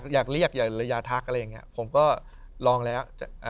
อยากเรียกอยากทักอะไรอย่างนี้ผมก็ลองแล้ว